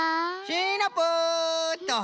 シナプーっと。